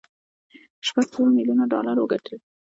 شپږ سوه ميليونه ډالر وګټل.